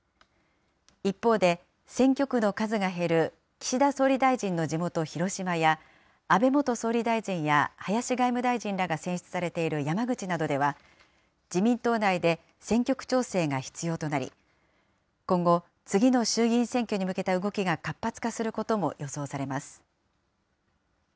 一方で、選挙区の数が減る岸田総理大臣の地元、広島や、安倍元総理大臣や林外務大臣らが選出されている山口などでは、自民党内で選挙区調整が必要となり、今後、次の衆議院選挙に向けた動きが活発化することも予想されます。